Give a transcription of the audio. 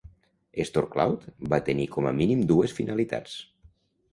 Storcloud va tenir com a mínim dues finalitats.